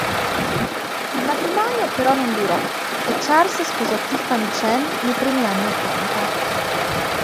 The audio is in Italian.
Il matrimonio, però non durò, e Charles sposò Tiffany Chen, nei primi anni Ottanta.